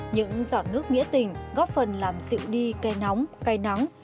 những giọt nước nghĩa tình góp phần làm sự đi cay nóng cay nắng